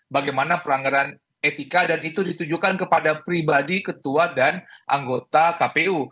bagaimana pelanggaran etika dan itu ditujukan kepada pribadi ketua dan anggota kpu